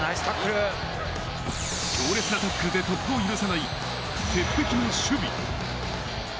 強烈なタックルで突破を許さない、鉄壁の守備。